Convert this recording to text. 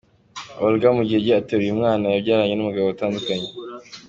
Olga Mugege ateruye umwana yabyaranye n’umugabo batandukanye